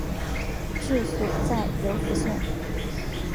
治所在柔服县。